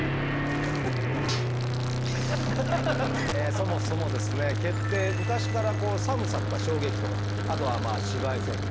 そもそも毛って昔から寒さとか衝撃とかあとはまあ紫外線とかからね